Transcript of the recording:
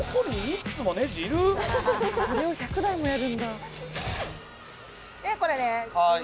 これを１００台もやるんだ。